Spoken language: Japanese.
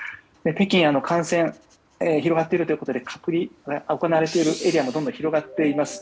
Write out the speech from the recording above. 北京は感染が広がっているということで隔離が行われているエリアがどんどん広がっています。